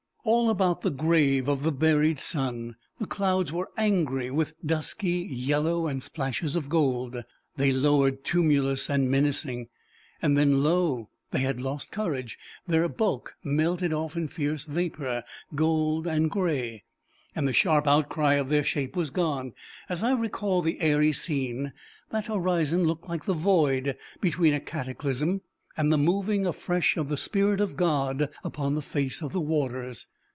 All about the grave of the buried sun, the clouds were angry with dusky yellow and splashes of gold. They lowered tumulous and menacing. Then, lo! they had lost courage; their bulk melted off in fierce vapour, gold and gray, and the sharp outcry of their shape was gone. As I recall the airy scene, that horizon looks like the void between a cataclysm and the moving afresh of the spirit of God upon the face of the waters.